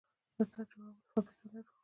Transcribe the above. د تار جوړولو فابریکې لرو؟